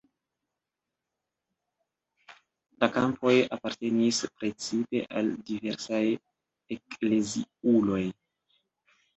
La kampoj apartenis precipe al diversaj ekleziuloj.